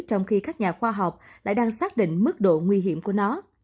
trong khi các nhà khoa học lại đang xác định mức độ nguy hiểm của nó